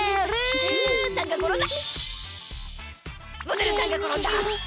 モデルさんがころんだ！